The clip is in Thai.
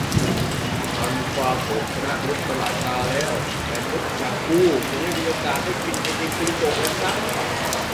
อัลฟาโกะชนะมนุษย์ไปหลายตาแล้ว แต่มนุษย์อย่างกูยังไม่มีโอกาสได้กินไอติมกูลิโกะเลยครับ